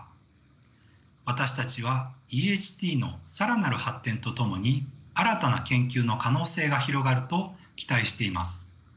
私たちはＥＨＴの更なる発展とともに新たな研究の可能性が広がると期待しています。